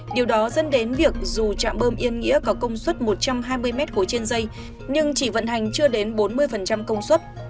điều đó dẫn đến việc dù trạm bơm yên nghĩa có công suất một trăm hai mươi m ba trên dây nhưng chỉ vận hành chưa đến bốn mươi công suất